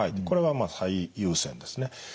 これはまあ最優先ですね。